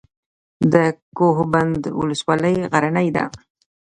د کوه بند ولسوالۍ غرنۍ ده